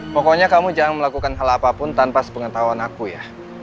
pokoknya kamu jangan melakukan hal apapun tanpa sepengetahuan aku ya